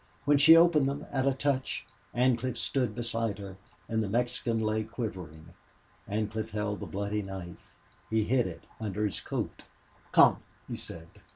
When she opened them, at a touch, Ancliffe stood beside her and the Mexican lay quivering. Ancliffe held the bloody knife; he hid it under his coat. "Come," he said.